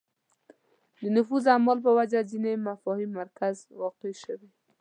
د نفوذ اعمال په وجه ځینې مفاهیم مرکز کې واقع شوې